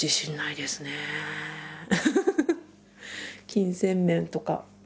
金銭面とか。